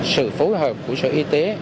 sự phối hợp của sở y tế